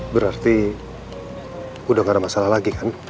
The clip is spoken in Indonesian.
berarti udah gak ada masalah lagi kan